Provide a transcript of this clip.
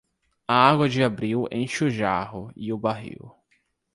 A água de abril enche o jarro e o barril.